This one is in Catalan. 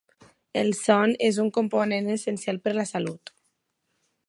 El son és un component essencial per a la salut.